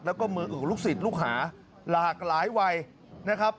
แล้วก็มืออึกลูกศิษย์ลูกหาหลากหลายวัยนะครับ